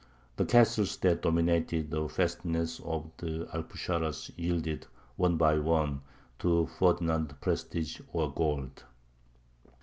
The castles that dominated the fastnesses of the Alpuxarras yielded one by one to Ferdinand's prestige or gold.